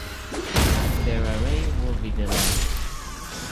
Inveraray would be the last.